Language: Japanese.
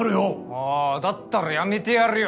ああだったら辞めてやるよ。